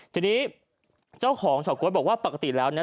ทีนี้เจ้าของเฉาก๊วยบอกว่าปกติแล้วนะ